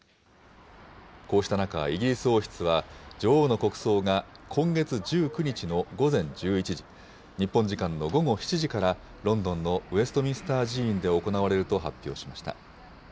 こうした中、イギリス王室は、女王の国葬が今月１９日の午前１１時、日本時間の午後７時から、ロンドンのウェストミンスター寺院で行われると発表しました。